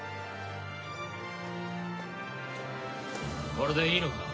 これでいいのか？